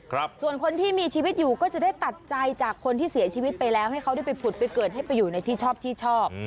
ส่วนคนที่มีชีวิตอยู่ก็จะได้ตัดใจจากคนที่เสียชีวิตไปแล้วให้เขาได้ไปผุดไปเกิดให้ไปอยู่ในที่ชอบที่ชอบ